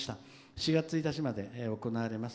４月１日まで行われます。